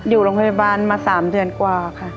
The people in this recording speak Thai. อยู่โรงพยาบาลมา๓เดือนกว่าค่ะ